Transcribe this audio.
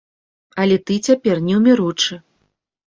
Але ты цяпер неўміручы.